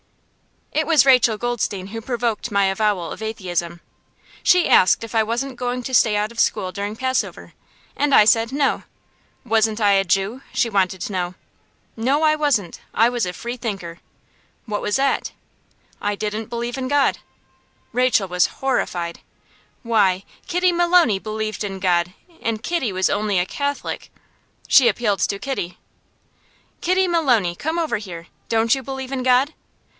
It was Rachel Goldstein who provoked my avowal of atheism. She asked if I wasn't going to stay out of school during Passover, and I said no. Wasn't I a Jew? she wanted to know. No, I wasn't; I was a Freethinker. What was that? I didn't believe in God. Rachel was horrified. Why, Kitty Maloney believed in God, and Kitty was only a Catholic! She appealed to Kitty. "Kitty Maloney! Come over here. Don't you believe in God?